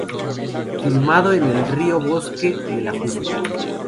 Filmado en el frío bosque del Ajusco.